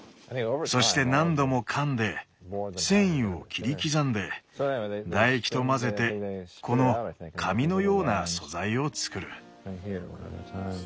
そして何度も噛んで繊維を切り刻んで唾液と混ぜてこの紙のような素材を作る。